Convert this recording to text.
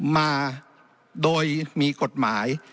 มาโดยมีกฎหมาย